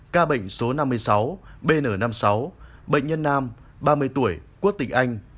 ca bệnh số năm mươi sáu bn năm mươi sáu bệnh nhân nam ba mươi tuổi quốc tịch anh